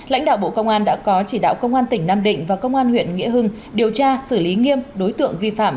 lãnh đạo bộ công an đã có chỉ đạo công an tỉnh nam định và công an huyện nghĩa hưng điều tra xử lý nghiêm đối tượng vi phạm